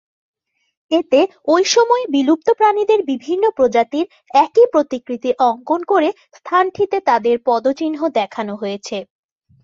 এতে ঐ সময়ে বিলুপ্ত প্রাণীদের বিভিন্ন প্রজাতির একই প্রতিকৃতি অঙ্কন করে স্থানটিতে তাদের পদচিহ্ন দেখানো হয়েছে।